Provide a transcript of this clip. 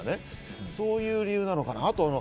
そういう理由なのかなと。